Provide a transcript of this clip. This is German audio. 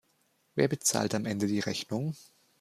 Wer bezahlt am Ende die Rechnung?